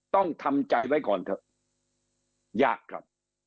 ต้องทำใจไว้ก่อนเถอะยากครับ